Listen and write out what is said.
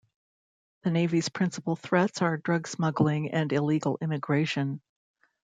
The navy's principal threats are drug smuggling and illegal immigration.